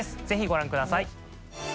爾ご覧ください。）